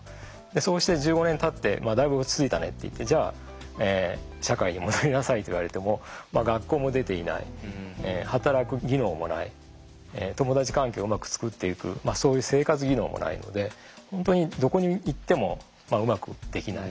そうして１５年たってだいぶ落ち着いたねっていってじゃあ社会に戻りなさいっていわれても学校も出ていない働く技能もない友達関係をうまく作っていくそういう生活技能もないので本当にどこに行ってもうまくできない。